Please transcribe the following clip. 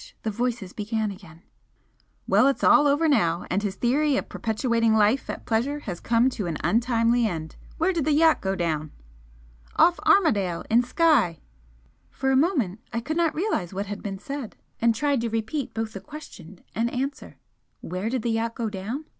The voices began again. "Well, it's all over now, and his theory of perpetuating life at pleasure has come to an untimely end. Where did the yacht go down?" "Off Armadale, in Skye." For a moment I could not realise what had been said and tried to repeat both question and answer 'Where did the yacht go down?'